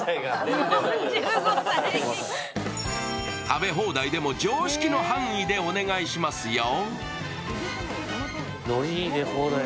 食べ放題でも常識の範囲でお願いしますよ。